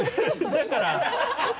だから。